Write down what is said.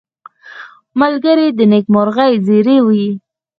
ملګری د نېکمرغۍ زېری وي